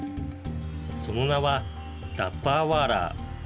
その名は、ダッバーワーラー。